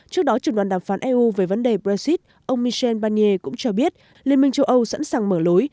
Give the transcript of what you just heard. trước đó trưởng đoàn đàm phán eu về vấn đề brexit ông michel barnier cũng cho biết liên minh châu âu sẵn sàng mở lối